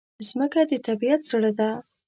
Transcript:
مځکه د طبیعت زړه ده.